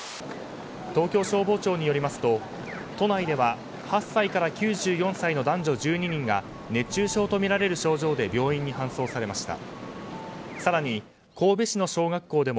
東京消防庁によりますと都内では８歳から９４歳の男女１２人が熱中症とみられる症状で病院に搬送されました。